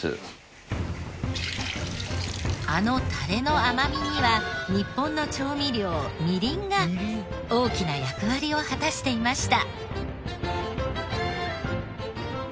あのタレの甘みには日本の調味料みりんが大きな役割を果たしていました。